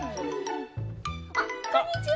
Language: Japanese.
あっこんにちは！